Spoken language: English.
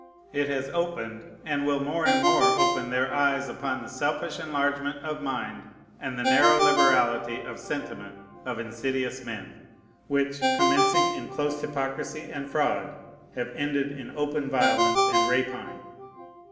It has opened, and will more and more open, their eyes upon the selfish enlargement of mind and the narrow liberality of sentiment of insidious men, which, commencing in close hypocrisy and fraud, have ended in open violence and rapine.